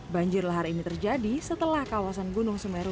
banjir lahar ini terjadi setelah kawasan gunung semeru